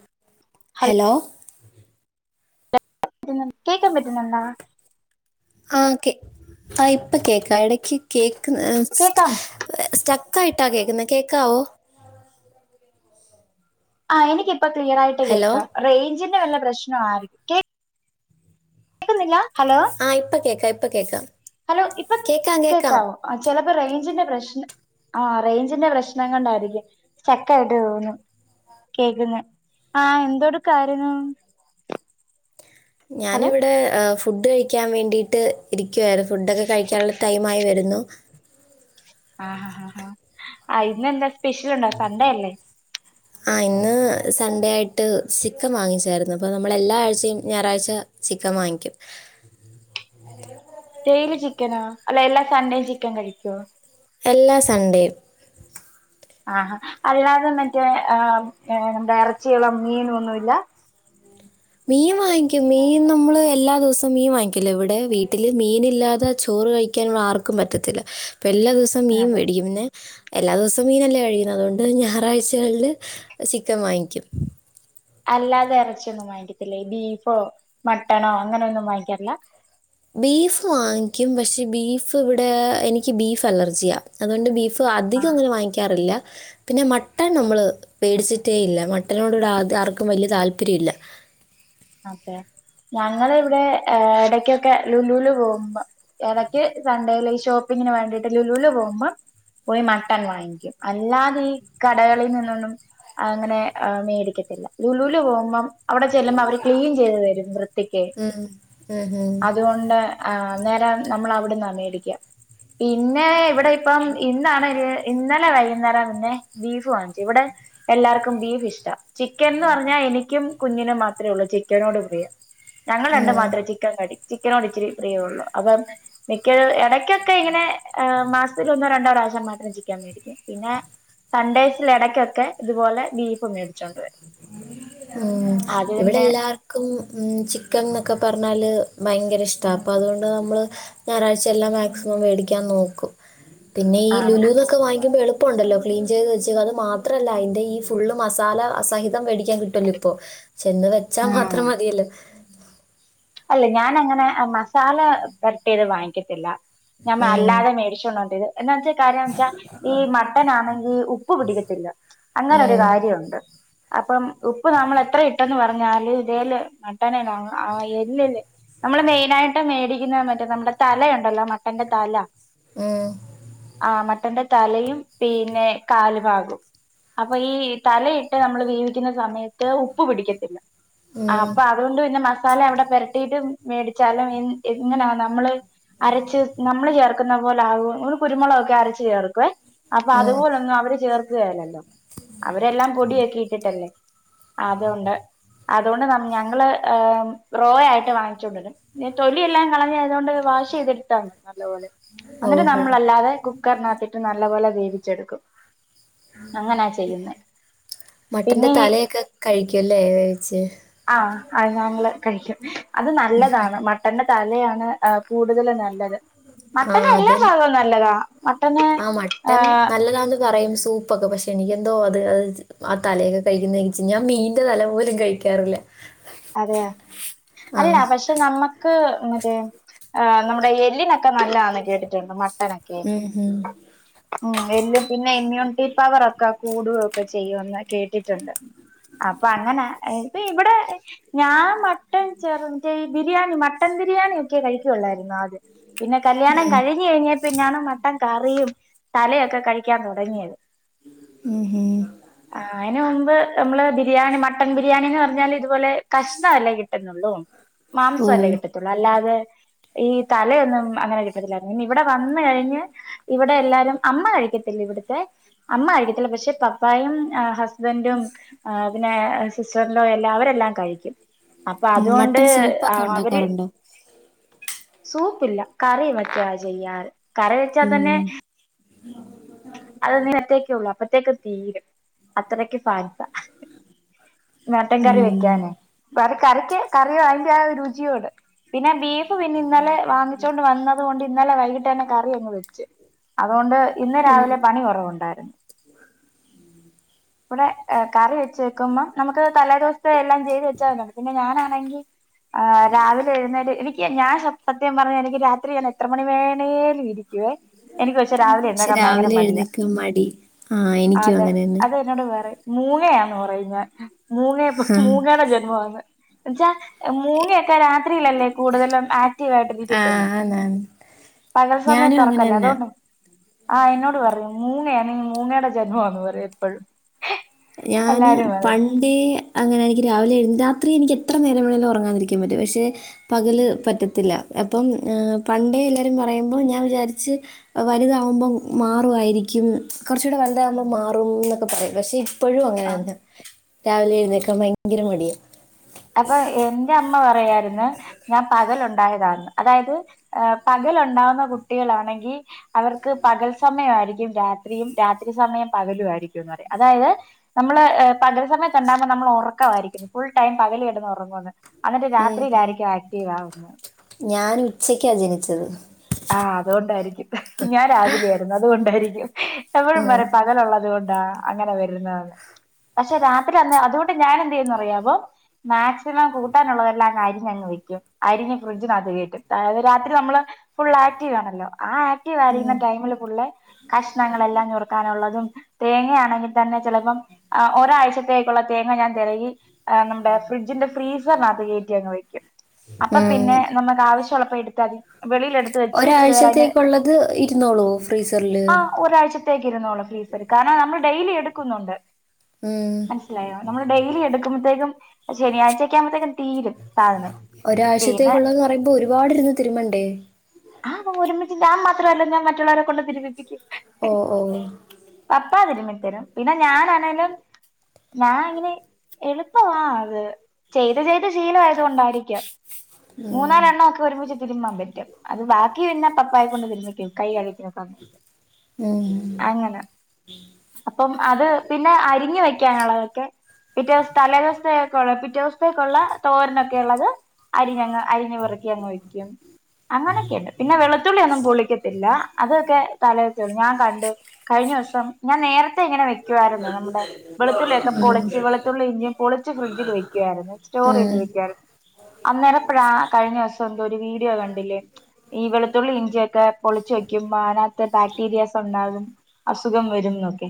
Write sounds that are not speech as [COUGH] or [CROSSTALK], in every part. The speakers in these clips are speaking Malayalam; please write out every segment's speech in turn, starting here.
ഉ ഹലോ കേക്കാൻ പറ്റുന്നുണ്ടോ ആ കേ ആ ഇപ്പൊ കേക്ക ഇടക്ക് കേക്ക കേക്കാം സ്റ്റക്ക് കട്ടായിട്ട കേക്കുന്ന കേക്കാവോ? ആഹ് എനിക്ക് ഇപ്പം ക്ലിയാറയിട്ട് ഹലോ കേൾക്കാം റേഞ്ച്ന്റെ നെറ്റിന്റെ വല്ല പ്രശ്നം ആയിരിക്കും കേക്കുന്നില്ല ആഹ് ഇപ്പൊ കേക്ക ഇപ്പ കേക്കാം ഹലോ ഇപ്പൊ കേക്കാവോ ആ ചെല റേഞ്ചിന്റെ പ്രശ്നം ആ റേഞ്ച്ന്റെ പ്രശ്നം കൊണ്ടായിരിക്കും സ്റ്റക്ക് ആയിട്ട് തോന്നുന്നേ കേക്കുന്ന ആ എന്തെടുക്കായിരുന്നു.. ഞാനിവിടെ ഫുഡ് കഴിക്കാൻ വേണ്ടിയിട്ട് ഇരി ഇരിക്കുവായിരുന്നു ഫുഡൊക്കെ കഴിക്കാനുള്ള ടൈം ആയി വരുന്നു ആഹ് ആ ആഹഹ ആ ഇന്നെന്താ സ്പെഷ്യൽണ്ടോ സണ്ടേയല്ലേ ആ ഇന്ന് സൺഡേ ആയിട്ട് ചിക്കൻ വാങ്ങിച്ചരുന്നു അപ്പോ നമ്മൾ എല്ലാഴ്ചയും ഞായറാഴ്ച ചിക്കൻ വാങ്ങിക്കും ഡേയ്ലി ചിക്കനാ അല്ല എല്ലാ സൺ‌ഡേ ചിക്കൻ കഴിക്കോ എല്ലാ സൺഡേയും ആഹഹാ അല്ലാതെ മറ്റേ ആർ എന്ത ഇറച്ചിയുള്ള മീൻ ഒന്നുല്ല മീൻ വാങ്ങിക്കും മീൻ നമ്മള് എല്ലാ ദിവസവും മീൻ വാങ്ങിക്കല ഇവിടെ വീട്ടില് മീന ഇല്ലാതെ ചോറ് കഴിക്കാൻ ആർക്കും പറ്റത്തില്ല ഇപ്പോ എല്ലാ ദിവസം മീൻ അതെ വേടിക്കും എല്ലാ ദിവസോം എപ്പോളും മീനല്ലേ കഴിക്കുന്നത് അതുകൊണ്ട് ഞായറാഴ്ചകളില് ചിക്കൻ വാങ്ങിക്കും അല്ലാതെ ഇറച്ചിയൊന്നും വാങ്ങിക്കത്തില്ലേ ബീഫോ മട്ടണോ അങ്ങനെയൊന്നും വാങ്ങിക്കാറില്ല ബീഫ് വാങ്ങിക്കും പക്ഷെ ബീഫ് ഇവിടെ എനിക്ക് ബീഫ് അലർജിയാ അതുകൊണ്ട് ബീഫ് ഇപ്പോൾ അധികം ആഹ് അങ്ങനെ വാങ്ങിക്കാറില്ല പിന്നെ മട്ടൺ നമ്മള് മേടിച്ചിട്ടേയില്ല ഇല്ല മട്ടനോട് ആർക്കും വല്യ താല്പര്യം ഇല്ല അതെ ഞങ്ങൾ ഇവിടെ ഇടക്കൊക്കെ ലുലൂല് പോകുമ്പോ ഇടക്ക് സൺണ്ടേൽ ഈ ഷോപ്പിങ്ങിന് വേണ്ടിട്ട് ലുലൂല് പോകുമ്പം പോയി മട്ടൺ വാങ്ങിക്കും അല്ലാതെ ഈ കടകളിൽ നിന്നൊന്നും അങ്ങനെ മേടിക്കത്തില്ല ലുലൂല് പോകുമ്പം അവിടെ ചെല്ലുമ്പോ അവർ ക്ലീൻ ചെയ്ത് തരും വൃത്തിക്ക് ഉം. ഉം ഹും. അതുകൊണ്ട് അന്നേരം നമ്മളെവിടെ മേടിക്കാപിന്നെ ഇവിടെ ഇപ്പം ഇന്നാണ് ഇന്നലെ വൈകുന്നേരം മുന്നെ ബീഫ് വാങ്ങിച്ചു ഇവിടെ എല്ലാവർക്കും ബീഫ് ഇഷ്ട ചിക്കൻ ന്ന് പറഞ്ഞാൽ എനിക്കും കുഞ്ഞിനും മാത്രമേ ഉള്ളൂ- ചിക്കനോട് പ്രിയം- ഞങ്ങൾ രണ്ടു ഉം. മാത്രേ ചിക്കൻ കടിക് ചിക്കനോടിച്ചിരി പ്രിയള്ളു അപ്പം മിക്ക ഏടക്കൊക്കെ ഇങ്ങനെ- മാസത്തിൽ ഒന്നോ രണ്ടോ പ്രാശം- മാത്രം ചിക്കാൻ മേടിക്കും പിന്നെ സൺഡേസിൽ ഇടയ്ക്കൊക്കെ ഇതുപോലെ ബീഫും മേടിച്ചോണ്ടവരും- ഉ ഇവിടെ എല്ലാർ ക്കും ചിക്കൻ എന്നൊക്കെ പറഞ്ഞാല് ഭയങ്കര ഇഷ്ട അപ്പൊ അതുകൊണ്ട് നമ്മള് ഞായറാഴ്ചയെല്ലാം മാക്സിമം മേടിക്കാൻ നോക്കും- പിന്നെ ഈ ആണ് ലുലു എന്നൊക്കെ വാങ്ങുമ്പോ എളു പ്പ ഉണ്ടല്ലോ ക്ലീൻ ചെയ്ത് വെച്ച അത് മാത്രമല്ല അതിന്റെ ഈ ഫുള് മസാലസഹിതം- തംവേടി ക്കാൻ കിട്ടല്ലോ ഇപ്പൊ ചെന്ന് വെച്ചാ ഉം മാത്രം മതിയല്ലോ- [UNINTELLIGIBLE] അല്ല ഞാന അങ്ങനെ മസാല പെരട്ടിയത് വാങ്ങിക്കത്തില്ല- ഞമ്മ ഉം അല്ലാതെ മേടിച്ചോണ്ടോണ്ത് എന്താന്ന് വെച്ചാൽ കാര്യംന്ന് വെച്ചാ ഈ മട്ടന ആണെങ്കി ഉപ്പ് പിടിക്ക ത്തില്ല- അങ്ങനെ ഒരു ഉം കാര്യവൊണ്ട് അപ്പം ഉപ്പ് നമ്മൾ എത്ര ഇിട്ടെന്ന് പറഞ്ഞ ഞാലും ഇതേല്- [UNINTELLIGIBLE] ആയേ നമ്മള് മെയിനായിട്ട് മേടിക്കുന്ന മറ്റേ നമ്മുടെ തലയുണ്ടല്ലോ മട്ടന്റെ തല- ഉം ആ മട്ടന്റെ- തലയും പിന്നെ കാല് ഭാഗും അപ്പൊ ഈ തലയിട്ട് നമ്മൾ വേവിക്കുന്ന സമയത്ത് ഉപ്പ് പിടിക്കത്തില്ല- ആ ഉം അപ്പൊ അതുകൊണ്ട് പിന്നെ മ തലഅവിടെ- പരട്ടീട്ട് മേടിച്ചാലും എങ്ങനാ നമ്മള് അരച്ച് നമ്മള് ചേർക്കുന്ന പോലെ ആകുവൊ കുരുമുളകൊക്കെ അരച്ചു ചേർക്കുവ- അപ്പൊ ഉം അതുപോലൊന്നും അവര് ചേർ ക്ക്വേലല്ലോ? അവരെല്ലാം പൊടി യക്കെഇട്ടിട്ടല്ലേ? അതൊണ്ട് അതുകൊണ്ട് ഞങ്ങള് ഏ- റോ ആയിട്ട് വാങ്ങിച്ചുകണ്ടരും പിന്നെ തൊലിയല്ലാം കളഞ്ഞായതുകൊണ്ട് വാഷ് ചെയ്തെടുത്താമതി നല്ലപോലെ- എന്നിട്ട് ഓഹോ നമ്മളല്ലാതെ കുക്കറിനകത്തിട്ട് നല്ലപോലെ വേ വിച്ചെടുക്കും- മട്ടന്റെ പിന്നെ തലയൊക്കെ കഴിക്കുംല്ലേ വേവിച്ച് - ആഹ് അത് ഞങ്ങള് അത് നല്ലതാണ് മട്ടൻ്റെ- തലയാണ് അ കൂടുതല് നല്ലത് ആ മട്ടന് എല്ലാ അത് ഭാഗവും നല്ലതാ മട്ടന് ആ മട്ടൻ നല്ലതാന്ന് പറയും സൂപ്പൊക്കെ പക്ഷേ എനിക്കെന്തോ അത് അത് ആ തലയൊക്കെ കഴിക്കുന്നെച്ച് ഞാൻ മീൻ്റെ തല പോലും കഴിക്കാറില്ല. അതെയ അല്ലാ ആഹ് പക്ഷെ നമ്മക്ക് ക്ക് മറ്റേ ആ നമ്മടെ എല്ലിനൊക്കെ നല്ലതാന്ന് കേട്ടിട്ടുണ്ട് മ ട്ടനൊക്കെ ഉം ഹും ഉം എല്ല് പിന്നെ ഇമ്മ്യൂണിറ്റി പവറൊക്കെ കൂടുക്കെ ചെയ്യു [UNINTELLIGIBLE] ആ കേട്ടിട്ടുണ്ട് ആ പ്പ അങ്ങന ഇപ്പ ഇവടെ ഞാൻ മട്ടൻ [UNINTELLIGIBLE] ഈ ബിരിയാണി മട്ടൻ ബിരിയാണി ഒക്കെ കഴിക്കൊള്ളായിരുന്നു അദ്യം പിന്നെ കല്യാണം ഉം കഴിഞ്ഞ് കഴഞ്ഞ പിന്നാണ് മട്ടം കറിയും തലയൊക്കെ കഴിക്കാൻ തൊടങ്ങിയത്. ഉം ഹും ആ അയിന് മുമ്പ് നമ്മളെ ബി രിയാണി മട്ടൺ ബിരിയാണി ന്ന് പർഞ്ഞാല് ഇത് പോലെ കഷണല്ലേ കിട്ടുന്നൊള്ളൂ ഓ മാംസല്ലേ കിട്ടത്തൊള്ളൂ അല്ലാതെ ഈ തലയൊന്നും അങ്ങനെ കിട്ടത്തില്ലായിരുന്നു ഇവിടെ വന്ന കഴിഞ്ഞ് ഇവിടെ എല്ലാരും അമ്മ കഴിക്കത്തില്ല ഇവിടുത്തെ അമ്മ കഴിക്കത്തില്ല പക്ഷെ പപ്പായും ആ ഹസ് ബന്റും ആ.. പിന്നെ സിസ്റ്റർലോയും എല്ലാം അവരെല്ലാം കഴിക്കും [UNINTELLIGIBLE] അപ്പൊ ഉം അതുകൊണ്ട് മട്ടൻ സൂപ്പൊക്കെ അവര് ഉണ്ടാക്കാറുണ്ടോ സൂപ്പില്ല കറി മറ്റാ ചെയ്യാറ് കറി വെച്ചാ തന്നെ ആ അത് അന്നരത്തേക്കേ ഉള്ളു അപ്പഴത്തേക്ക് തീരും അത്രക്ക് ഫാൻസ മട്ടൻ കറി ഉം വെക്കാന് കറി കറിക്ക് കറി വാങ്ങിച്ചാല് രുചി കൂടും പിന്നെ ബീഫ് പിന്നെ ഇന്നലെ വാങ്ങിച്ചോണ്ട് വന്നത് കൊണ്ട് ഇന്നലെ വൈകിട്ട് തന്നെ കറി അങ്ങ് വെച്ച് അതുകൊണ്ട് ഇന്ന് ഓ രാവിലെ പണി കെറവുണ്ടായിരുന്നു ഇവിടെ കറി വെച്ച് വെക്കുമ്പം നമുക്ക് തലേ ദിവസത്തെ എല്ലാം ചെയ്ത് വെച്ചാന്നാണ് പിന്നെ ഞാനാണെങ്കി ആ രാവിലെ എഴുന്നേറ്റ് എനിക്ക് ഞാൻ സത്യം പറഞ്ഞ എനിക്ക് രാത്രി ഞാൻ എത്ര മണി വേണലും ഇരിക്കും [UNINTELLIGIBLE] എനിക്ക് പക്ഷെ രാവിലെ പക്ഷെ എാഴുന്നക്ക രാവിലെ എഴുന്നേക്കാൻ മടി ആ എനിക്കും അതെ അങ്ങനെതന്നാ അത് എന്നോട് പറയും മൂങ്ങയാന്ന് പറയും ഞാൻ മൂങ്ങയെ ആഹ് മൂങ്ങടെ ജന്മമാന്ന് എന്നു വച്ചാ മൂങ്ങ ഒക്കെ രാത്രിയിലല്ലേ കൂടുതലും ആക്റ്റീവ ആയിട്ടിരിക്കത്തുള്ളൂ ആഹ് ആന്നാന്ന് പകൽ ഞാനും അങ്ങനെ സമയത്തുറക്കല്ലേ തന്നാ അതുകൊണ്ട് ആ എന്നോട് പറയും മൂങ്ങായാ നീ മൂങ്ങയുടെ ജന്മമാന്ന് പറയും എപ്പോഴും ഞാന് എല്ലാരും പറയും പണ്ടേ അങ്ങനെ എനിക്ക് രാവിലെ എഴുന്നേ ത്രി എനിക്ക് എത്ര നേരം വേണെങ്കിലും ഉറങ്ങാതിരിക്കാൻ പറ്റും പക്ഷേ പകല് പറ്റത്തില്ല അപ്പം പണ്ടേ എല്ലാവരും പറയുമ്പോൾ ഞാൻ വിചാരിച്ച് വലുതകുമ്പോ മാറുവായിരിക്കും കുറച്ചൂടെ വലുതാകുമ്പോ മാറുന്നൊക്കെ പറയും പക്ഷേ എപ്പോഴും ആ അങ്ങനെതന്ന രാവിലെ എഴുന്നേക്കാൻ ഭയങ്കര മടിയ അപ്പൊ എന്റെ അമ്മ പറയാ പിന്നെ ഞാൻ പകലുണ്ട് അതായത് പകലുണ്ടാവുന്ന കുട്ടികളാണെങ്കിൽ അവർക്ക് പകൽ സമയം ആയിരിക്കും രാത്രിയും രാത്രി സമയം പകലും ആയിരിക്കുന്ന് പറയും. അതായത് നമ്മള് പകൽ സമയത്ത് ഉണ്ടാകുമ്പോ നമ്മള് ഉറക്കം ആയിരിക്കും. ഫുൾ ടൈം പകല് കിടന്ന് ഉറങ്ങുന്ന് എന്നിട്ട് ഉം, ഉം. രാത്രിയിലായിരിക്കും ആക്റ്റീവ് ആവുന്ന ഞാൻ ഉച്ചയ്ക്കാ ജനിച്ചത് ആഹ് അതുകൊണ്ടായിരിക്കും ഞാൻ രാവിലെയായിരുന്നു അതുകൊണ്ടായിരിക്കും എപ്പോഴും ഉം, പറയും പകലുള്ളത് കൊണ്ട് അങ്ങനെ വരുന്ന പക്ഷെ രാത്രി അന്ന് അതുകൊണ്ട് ഞാൻ എന്ത് ചെയ്യുന്ന് അറിയാവോ മാക്സിമം കൂട്ടാനുള്ളതെല്ലാം അങ്ങ് അരിഞ്ഞങ്ങ് വെക്കും അരിഞ്ഞ് ഫ്രിഡ്ജിനകത്ത് കേറ്റും അതായത് രാത്രി നമ്മള് ഫുൾ ആകറ്റീവ് ആണല്ലോ ആ ആക്റ്റീവ് ആയിരുന്ന ഉം, ടൈമിൽ ഫുള്ളെ കഷ്ണങ്ങളെല്ലാം ഞുറുക്കാനുള്ളതും തേങ്ങയാണെങ്കിൽ തന്നെ ചിലപ്പം ഒരാഴ്ചത്തേക്കുള്ള തേങ്ങ ഞാൻ തിരകി നമ്മുടെ ഫ്രിഡ്ജിന്റെ ഫ്രീസറിനകത്ത് കയറ്റി അങ്ങ് വെക്കും അപ്പൊ ഉം. പിന്നെ നമുക്ക് ആവശ്യമുള്ള എടുത്താതി [UNINTELLIGIBLE] വെച്ച് ഇച്ചിരി നേരം അതിന്റെ ഒരാഴ്ചത്തേക്കുള്ളത് ഇരുന്നോളൂ ഫ്രീസറില്? [UNINTELLIGIBLE] ഇരുന്നള്ളും ഫ്രീസർ. കാരണം നമ്മള് ഡെയിലി എടുക്കുന്നുണ്ട്. മനസ്സിലായോ? നമ്മള് ഡെയിലി എടുക്കുമ്പോഴത്തേക്കും. പ്പ ശനിയാഴ്ച ഒക്കെ ആകുമ്പോഴത്തേ. ക്കും ഒരാഴ്ശത്തേക്കുള്ളത്‌ന്ന്‌ പറയുമ്പോ ഒരുപാട് ഇരുന്ന് തിരുമണ്ടേ? ആ ഒരുമിച്ച് ഞാൻ മാത്രല്ല. ഞാൻ മറ്റുള്ളവരെ കൊണ്ട് തിരിമ്പിപ്പിക്കും. ഓ ഓ. എപ്പാ [UNINTELLIGIBLE] ത്തരും പിന്നെ ഞാനാണേലും ഞാൻ ഇങ്ങനെ എളുപ്പമാ അത്. ചെയ്ത് ചെയ്ത് ശീല ആയത് കൊണ്ടായിരിക്കാം. മൂന്നാല് ഉം എണ്ണ ഒക്കെ ഒരുമിച്ചി [INAUDIBLE] [INAUDIBLE] അത് ബാക്കി വര്ണ പപ്പായ കൊണ്ട് തിരുന്നിക്കും കൈ കഴിക്ണ സമയത്ത്. ഉം അങ്ങനെ. അപ്പം അത് പിന്നെ അരിഞ്ഞ് വെ [INAUDIBLE] ക [UNINTELLIGIBLE] ക്കെ പിറ്റേ തലേ ദിവസത്തെ - പിറ്റേ ദിവസത്തേക്കുള്ള തോരനൊക്കെ ഉള്ളത് അരിഞ്ഞങ്ങ്- അരിഞ്ഞ് പെറക്കി അങ്ങ് വയ്ക്കും അങ്ങനൊക്കെ ഉണ്ട് പിന്നെ വെളുത്തുളളി ഒന്നും പൊളിക്കത്തില്ല അതൊക്കെ തലേ ദിവസം ഞാൻ കണ്ട് കഴിഞ്ഞ വർഷം ഞാൻ നേരത്തെ ഇങ്ങനെ വയ് - നമ്മുടെ വെളുത്തുള്ളിയൊക്കെ പൊളിച്ച് വെളുത്തുള്ളി ഇഞ്ചി പൊളിച്ച് ഫ്രിഡ്ജിൽ വെക്കുയിരുന്നു സ്റ്റോർ ചെയ്ത് ഉം വെക്കുവായിരുന്നു അന്നേരം കഴിഞ്ഞ ദിവസം ഒരു വീഡിയോ കണ്ടില്ലേ ഈ വെളുത്തുള്ളി ഇഞ്ചിയൊക്കെ പൊളിച്ചു വെക്കുമ്പോ അതിനക ത്ത ബാക് ടീരിയസ് ഒണ്ടാകും അസുഖം വരും എന്നൊക്കെ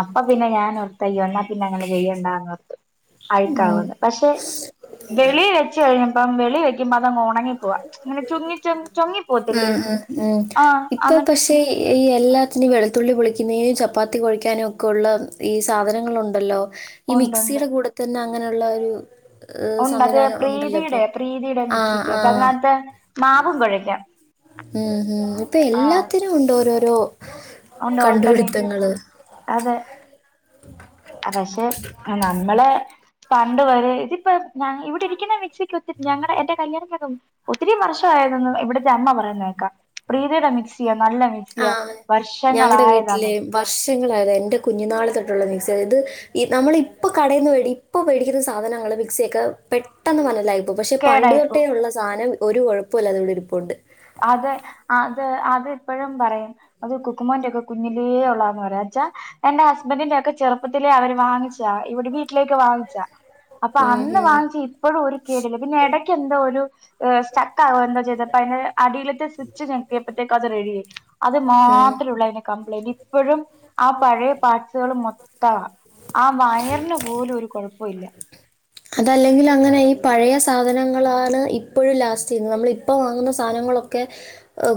അപ്പൊ പിന്നെ ഞാൻ ഓർത്ത് അയ്യോ എന്നാ പിന്നെ അങ്ങനെ ചെയ്യണ്ടാന്ന്ർന്നു ഉം അഴുക്കാവന്ന് പക്ഷെ വെളിൽ വെച്ച കഴിഞ്ഞ പ്പം വെളിവെക്കുമ്പം ഇത്‌ അങ്ങ് ഒണങ്ങിപ്പോവാ ഇങ്ങനെ ചുങ്ങി ചു ചുങ്ങി പോവത്തില്ലേ ഉം ഉം ആഹ് ഇപ്പൊ അന്ന് പക്ഷെ ഈ എല്ലാത്തിനും വെളുത്തുള്ളി പൊളിക്ക ക്കുന്നതിനും ചപ്പാത്തി കൊഴക്കാനും ഒക്കെെള്ള ഈ സാധനങ്ങളുണ്ടല്ലോ ഈ ഉണ്ട് ഉണ്ട് മിക്സിയുടെ കൂട തന്നെ അങ്ങനെയുള്ള ഒരു ഏഹ് ഉണ്ട് അത് സംവിധാനം ഉണ്ടല്ലോ പ്രീതിയുടെ ഇപ്പൊ പ്രീതിയുടെ മിക്സി ആഹ് ആഹ് ക്കതിനാത്ത് മാവും കൊഴക്കാം ഉം ഹ് ഇപ്പൊ എല്ലാത്തിനും ഉണ്ടോരോ ലോ ഉണ്ട് ഓൾട്ടർനേറ്റീവ്സ് അതെ പക്ഷെ നമ്മളെ പണ്ട് വരെ ഇതിപ്പോ ഞ ഇവിടെ ഇരിക്കുന്ന മിക്സിക്ക് ഒത്തി ഞങ്ങളെ എന്റെ കല്യാണക്ക ഒത്തിരി വർഷ ആയതന്ന് ഇവിടത്തെ അമ്മ പറയും ന്നേക്കാം പ്രിതി ടെ മിക്സിയാ നല്ല മിസിയാ ആഹ് ഞങ്ങടെ വീട്ടില് വർഷ എന്റെ കുഞ്ഞുന്നാള് തൊട്ടുള്ള മിക്സിയാ ഇത് ഈ നമ്മളിപ്പ കടയിന്ന് ഇപ്പ മേടിക്കുന്ന സാധനങ്ങള് മിക്സിയൊക്കെ പെട്ടെന്ന് പന്നലായി പോവും പക്ഷേ കേടായിപ്പോ പണ്ടുതൊട്ടെയുള്ള സാധനം ഒരു കുഴപ്പമില്ല അതോവിടെയിരിപ്പൊണ്ട് അതെ അത് അത് ഇപ്പോഴും പറയും അത് കുക്കുമോന്റെൊക്കെ കുഞ്ഞിലേ ഉള്ളതന്ന് പറയാച്ചാ എന്റെ ഹസ്ബൻഡിന്റെറെ ഒക്കെ ചെറുപ്പത്തില അവര് വാങ്ങിച്ച ദാ ഇവിടെ വീട്ടിലേക്ക് വാങ്ങിച്ചാ അപ്പൊ ഉം അന്ന് ഉം വാങ്ങിച്ച ഇപ്പൊഴും ഒരു കേടില്ല പിന്നെ എടയ്ക്കെന്തോ ഒരു സ്റ്റ ക്കാവോ എന്തൊ ചെയ്തപ്പയിന് മേളിത്തെ സ്വിച്ച് ഞെക്കിയപ്പഴത്തേക്കു അത് റെഡിയായി അത് ഉം മാത്രുള്ളു അതിന് കമ്പ്ലെ എനിക്ക് ഇപ്പൊഴും ആഹ് പഴയ പാട്സ്കള് മൊ [UNINTELLIGIBLE] ആ വയറിന് പോലു ഒരു കൊഴപ്പൊയില്ല അതല്ലെങ്കിൽ അങ്ങനെ ഈ പഴയ സാധനങ്ങളാണ് ഇപ്പൊഴും ലാസ്റ്റ് ചെയ്യുന്നത് നമ്മളിപ്പൊ വാങ്ങുന്ന സാധനങ്ങളൊക്കെ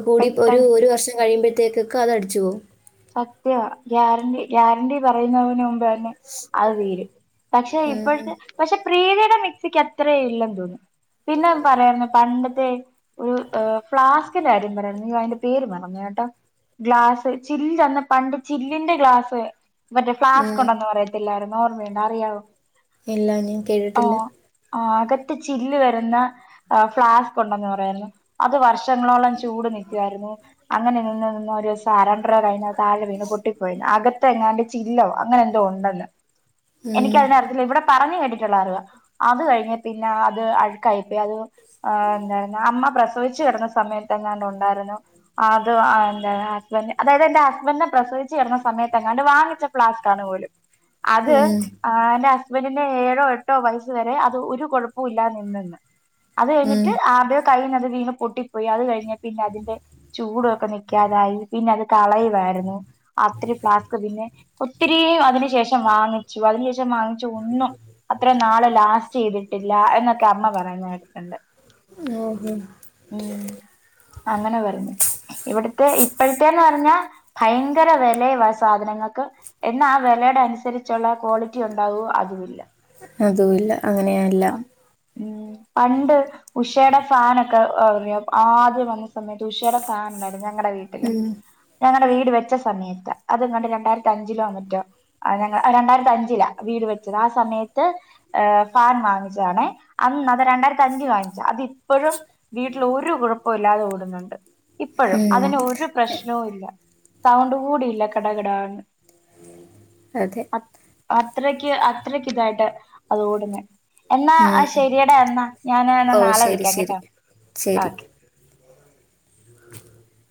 കൂടിപ്പൊ ഒരു പെട്ടെന്ന് ഒരു വർഷം കഴിയുമ്പഴ് അപ്പോത്തേക്കൊക്ക അതടിച്ചോവും സത്യവാ ഗ്യാരണ്ടി ഗ്യാരണ്ടി പറയുന്നവനു ഇപ്പന്നെ അത് തീരും പക്ഷെ ഉം ഇപ്പൊഴത്തെ പക്ഷെ പ്രീതിയുടെ മിക് മിക്സിക്കത്രെ ഇല്ലെന്ന് തോന്നുന്നു പിന്നെ പറയുന്ന പണ്ടത്തെ ഒഹ് ഫ്ലാസ്കിന്റെ കാര്യം പറയാരുന്നു ഇയ്യോ അതിന്റെ പേര് മറന്നോയ് ട്ടോ ഗ്ലാസി ചില്ലെന്ന പണ്ട് ചില്ലിന്റെ ഗ്ലാസ് മറ്റേ ഫ്ളാസ്ക് ഉം ഉണ്ടന്ന് പറയത്തില്ലായിരു ഓർമയുണ്ടോ അറിയാവോ ഇല്ല ഞാൻ കേട്ടിട്ടില്ല ആഹ് ആഹ് അകത്ത് ചില്ല് വരുന്ന ആഹ് ഫ്ലാസ്ക് ഒണ്ടെന്ന് പറയാരുന്നു അത് വർഷങ്ങളോളം ചൂട് നിക്കുവായിരുന്നു അങ്ങനെ നിന്ന് നിന്ന് ഒരുസ താരാണ് അയിന താഴെ വീണ് പൊട്ടിപ്പോയെന്ന് അ അകത്തെങ്ങാണ്ട് ചില്ലോ അങ്ങനെ എന്തോ ഒണ്ടന്ന് ഉം എനിക്ക് അതിനെ അറിത്തില്ല ഇവിടെ പറഞ്ഞ് കേട്ടിട്ട് ഉള്ളാരുവ അത് കഴിഞ്ഞ് പിന്നെ അത് അഴ്ക്കായിപ്പെയി അത് ആ എന്താരുന്നു അമ്മ പ്രസവിച് [UNINTELLIGIBLE] കിടന്ന സമയത്ത് എങ്ങാണ്ടോ ഒണ്ടായിരുന്നു അത് അ എന്റ ഹസ്ബൻഡ് അതായത് എന്റെ ഹസ്ബന്റ്നെ പ്രസവിച്ച് കെടന്ന സമയത്തെങ്ങാണ്ട് വാങ്ങിച്ച ഫ്ലാസ്ക് ആണ് പോലും അത് ഉം ആഹ് ആന്റാ ഹസ്‌ബന്റിന്റെ ഏഴോ എട്ടോ വയസ് വരെ അത് ഒരു കുഴപ്പോം ഇല്ലാതെ നിന്നന്ന് അത് ഉം കഴിഞ്ഞിട്ട് ആദ്യ കയ്യീന്ന് അത് വീണ് പൊട്ടിപ്പൊയി അത് കഴിഞ്ഞ പിന്നെ അതിന്റെ ചൂടു ഒക്കെ നിക്കാതായി പിന്നെ അത് കളയുവായിരുന്നു അസ്‌ത്രി ഫ്ലാസ്ക് പിന്നെ ഒത്തിരീയും അതിന് റ്റെഷം വാങ്ങിച്ചു അതിന് ശേഷം വാങ്ങിച്ച ഒന്നും അത്രേം നാള് ലാസ്റ്റെയ്തിട്ടി ല്ല എന്നൊക്കെ അമ്മ പറയുന്ന കേട്ടിട്ടുണ്ട് ഓഹോ ഉം അങ്ങനെ പറഞ്ഞു ഇവിടുത്തെ ഇപ്പോഴത്തെ ന്ന് പറഞ്ഞാ ഭയങ്കര വെലയുവാ സാധനങ്ങക്ക് എന്നാ ആ വെലയുടെ അനുസരിച്ചുള്ള ക്വാളിറ്റി ഉണ്ടാവോ അതുവില്ല അതും ഇല്ല അങ്ങനെയല്ല ഉം പണ്ട് ഉഷേടെ ഫാനൊക്കെ ഇറങ്ങിയപ്പൊ ആദ്യം വന്ന സമയത്ത് ഉഷേടെടെ ഫാൻ ഉണ്ടായിരുന്നേ വീട്ടില് ഉം. ഞാന വീട് വെച്ച സമയത്ത് അതെങ്ങാണ്ട് രണ്ടായിരത്തി യഞ്ചിലോ മറ്റോ ഞങ്ങ രണ്ടായിരത്തി അഞ്ചിലാ വീട് വെച്ചത് ആ സമയത്ത് ഏ ഫാൻ വാങ്ങിച്ചതാണെ അന്ന് അത് രണ്ടായിരത്തിയഞ്ചി വാങ്ങിച്ചത് അതിപ്പോഴും വീട്ടിൽ ഒരു കുഴപ്പവുമില്ലാതെ ഓടുന്നുണ്ട് ഇപ്പഴും ഉം. അതിന് ഒരു പ്രശ്നവുമില്ല സൗണ്ടുകൂടിയില്ല കെട കെടാന്ന് അതെ അത്രയ്ക്ക് അത്രക്കിതായിട്ട് അതോടുന്നേ എന്നാ ആ ഉം. ശരിയെടാ എന്നാ ഞാൻ എന്നാ ഓ നാളെ ശരി വിളിക്കാം ശരി കെട്ടോ ശരി ഓക്കേ [UNINTELLIGIBLE]